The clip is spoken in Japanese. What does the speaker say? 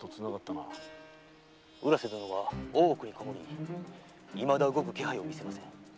浦瀬殿は大奥にこもりいまだ動く気配を見せません。